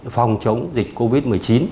phòng chống dịch covid một mươi chín